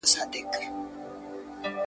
بس چي ژبه یې ګونګی وای چا یې ږغ نه اورېدلای ,